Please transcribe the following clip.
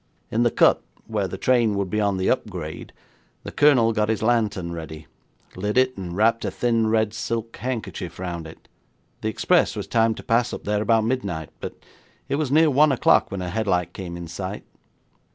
In the cut, where the train would be on the up grade, the Colonel got his lantern ready, lit it, and wrapped a thin red silk handkerchief round it. The express was timed to pass up there about midnight, but it was near one o'clock when her headlight came in sight.